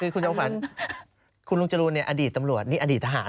คุณจำฝันคุณลุงจรูนอดีตตำรวจนี่อดีตทหาร